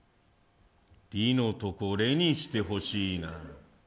リのとこレにしてほしいな。